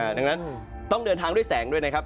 ดังนั้นต้องเดินทางด้วยแสงด้วยนะครับ